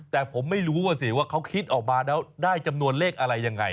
แต่ผมไม่รู้ว่าสิว่าเขาคิดออกมาแล้วได้จำนวนเลขอะไรยังไง